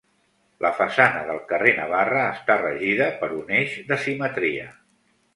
La façana del carrer Navarra està regida per un eix de simetria.